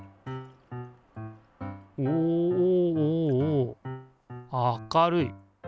おおおお明るい。